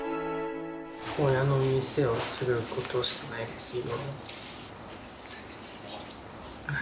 親の店を継ぐことしかないです、今は。